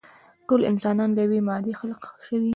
ټول انسانان له يوې مادې خلق شوي.